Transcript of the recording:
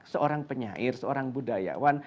seorang penyair seorang budayawan